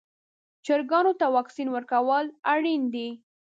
چرګانو ته واکسین ورکول اړین دي.